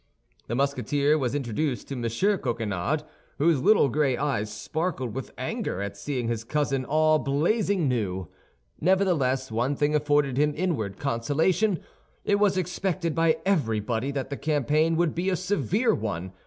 The Musketeer was introduced to M. Coquenard, whose little gray eyes sparkled with anger at seeing his cousin all blazing new. Nevertheless, one thing afforded him inward consolation; it was expected by everybody that the campaign would be a severe one.